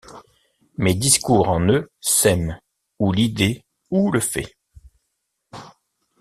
Mes discours en eux sèment Ou l’idée ou le fait.